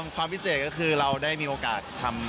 ความพิเศษก็คือเราได้มีโอกาสทำ